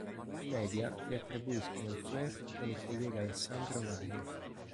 I media le attribuiscono un flirt con il collega Alessandro Mario.